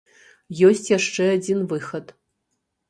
Ёсць яшчэ адзін выхад.